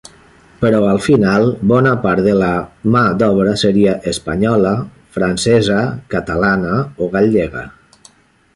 Però al final, bona part la mà d'obra seria espanyola, francesa, catalana o gallega.